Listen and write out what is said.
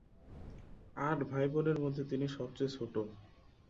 আট ভাই-বোনের মধ্যে তিনিই সবচেয়ে ছোট।